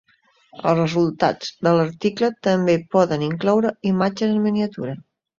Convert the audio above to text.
Els resultats de l'article també poden incloure imatges en miniatura.